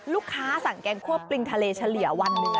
สั่งแกงคั่วปริงทะเลเฉลี่ยวันหนึ่ง